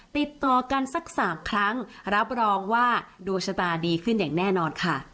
ติดต่อกันสัก๓ครั้งรับรองว่าดวงชะตาดีขึ้นอย่างแน่นอนค่ะ